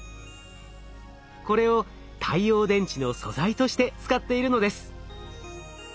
これを太陽電池の素材として使っているのです。